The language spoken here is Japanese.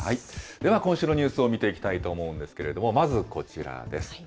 では今週のニュースを見ていきたいと思うんですけれども、まずこちらです。